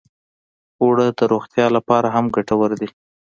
اوړه د روغتیا لپاره هم ګټور دي